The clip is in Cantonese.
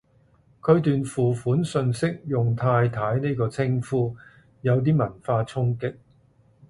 佢段付款訊息用太太呢個稱呼，有啲文化衝擊